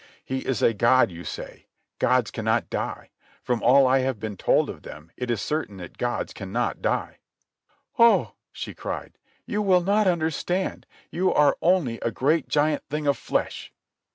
He is a god you say. Gods cannot die. From all I have been told of them, it is certain that gods cannot die." "Oh!" she cried. "You will not understand. You are only a great giant thing of flesh."